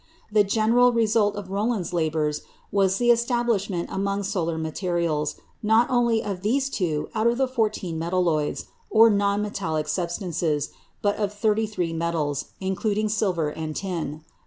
The general result of Rowland's labours was the establishment among solar materials, not only of these two out of the fourteen metalloids, or non metallic substances, but of thirty three metals, including silver and tin.